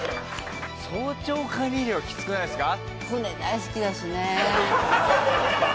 早朝カニ漁きつくないですか？